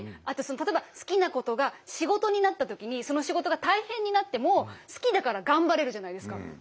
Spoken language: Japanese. あとその例えば好きなことが仕事になった時にその仕事が大変になっても好きだから頑張れるじゃないですか。